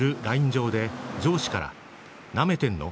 上で上司から、なめてんの？